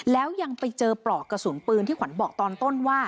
แล้วยังไปเจอปลอกกระสุนปืนที่ขวัญบอกตอนต้นว่า